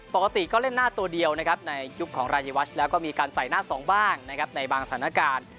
ปกติก็เล่นหน้าตัวเดียวนะครับในยุคของรายวัชแล้วก็มีการใส่หน้าสองบ้างนะครับในบางสถานการณ์